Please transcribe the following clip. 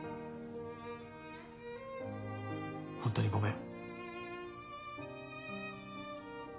ホントにごめん。